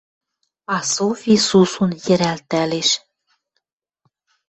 А Софи сусун йӹрӓлтӓлеш